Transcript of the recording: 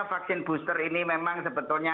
vaksin booster ini memang sebetulnya